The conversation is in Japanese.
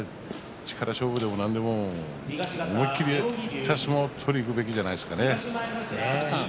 力勝負でも何でも思い切った相撲を取るべきじゃないですかね。